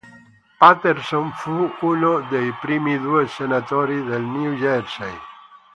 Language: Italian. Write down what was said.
Paterson fu uno dei primi due senatori del New Jersey.